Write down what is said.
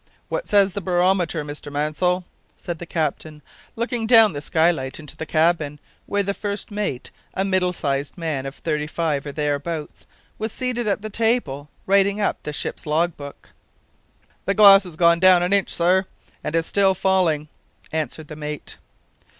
What says the barometer, Mr Mansell?" said the captain, looking down the skylight into the cabin, where the first mate a middle sized man of thirty five, or thereabouts was seated at the table writing up the ship's log book. "The glass has gone down an inch, sir, and is still falling," answered the mate.